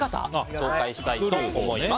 紹介したいと思います。